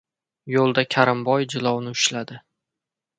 — Yo‘lda Karimboy jilovni ushladi!